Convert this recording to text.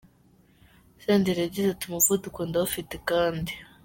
Senderi yagize ati Umuvuduko ndawufite, kandi.